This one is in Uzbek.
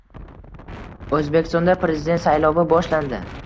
O‘zbekistonda prezident saylovi boshlandi